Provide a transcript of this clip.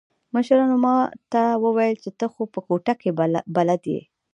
مشرانو ما ته وويل چې ته خو په کوټه کښې بلد يې.